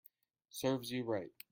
Serves you right